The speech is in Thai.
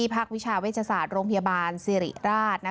ที่พักวิชาวิชาศาสตร์โรงพยาบาลสิริราช